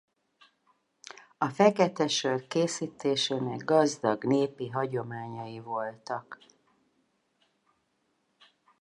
A fekete sör készítésének gazdag népi hagyományai voltak.